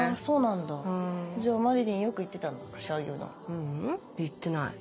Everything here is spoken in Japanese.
ううん行ってない。